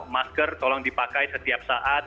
masker tolong dipakai setiap saat